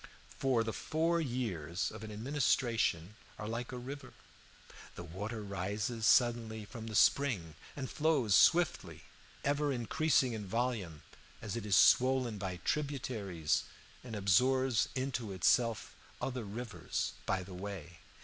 For the four years of an administration are like a river. The water rises suddenly from the spring and flows swiftly, ever increasing in volume as it is swollen by tributaries and absorbs into itself other rivers by the way.